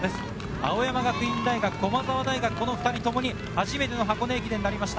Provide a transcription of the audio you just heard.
青山学院大学、駒澤大学、この２人ともに初めての箱根駅伝になりました。